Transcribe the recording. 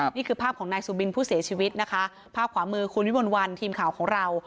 นี่คือภาพของนายสุบินผู้เสียชีวิตนะคะภาพขวามือคุณวิมวลวันทีมข่าวของเรา